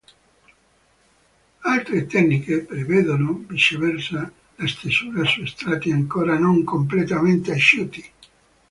Altre tecniche prevedono viceversa la stesura su strati ancora non completamente asciutti.